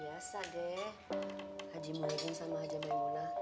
biasa deh haji mulegeng sama haji mlemula